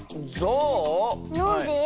なんで？